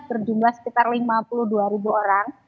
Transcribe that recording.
berjumlah sekitar lima puluh dua ribu orang